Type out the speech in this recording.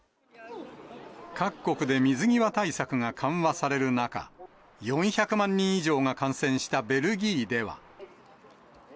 各国で水際対策が緩和される中、４００万人以上が感染したベルギーでは。